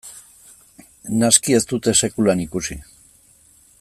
Naski ez dute sekulan ikusi.